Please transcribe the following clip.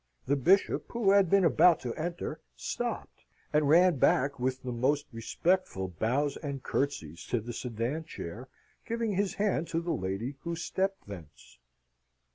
The Bishop, who had been about to enter, stopped, and ran back with the most respectful bows and curtseys to the sedan chair, giving his hand to the lady who stepped thence.